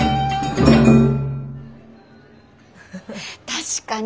確かに。